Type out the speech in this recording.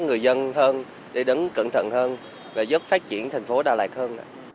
người dân hơn để đến cẩn thận hơn và giúp phát triển thành phố đà lạt hơn